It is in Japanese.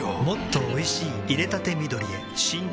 もっとおいしい淹れたて緑へ新！